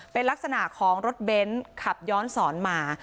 เป็นลักษณะของรถเบนท์ขับย้อนสอนมา